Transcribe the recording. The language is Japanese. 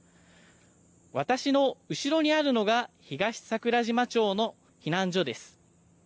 私の後ろにあるのが東桜島町の避難所です。